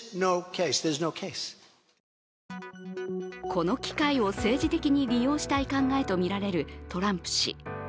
この機会を政治的に利用したい考えとみられるトランプ氏。